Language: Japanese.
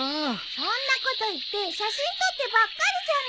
そんなこと言って写真撮ってばっかりじゃない。